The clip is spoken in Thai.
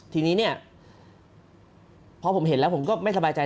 ทีนี้เนี่ยพอผมเห็นแล้วผมก็ไม่สบายใจ